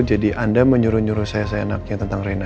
jadi anda menyuruh nyuruh saya sayang sayang tentang rena ya